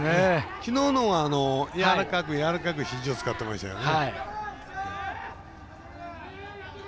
きのうのほうがやわらかく、やわらかく肘を使っていましたよね。